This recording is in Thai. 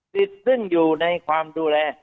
สิทธิ์ซึ่งอยู่ในความดูแล